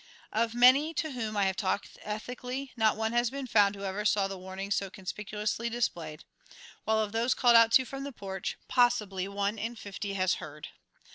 Of the many to whom I have talked ethically not one has been found who ever saw the warnings so conspicuously displayed, while of those called out to from the porch, possibly one in fifty has heard.